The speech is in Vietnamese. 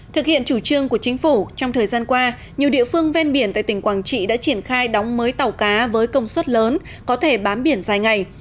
thực hiện chủ trương của chính phủ trong thời gian qua nhiều địa phương ven biển tại tỉnh quảng trị đã triển khai đóng mới tàu cá với công suất lớn có thể bám biển dài ngày